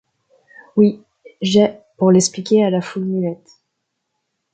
Oui, j'ai, pour l'expliquer à la foule muette